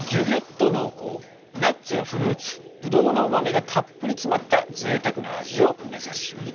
ナッツやフルーツブドウのうまみがたっぷり詰まったぜいたくな味を目指します！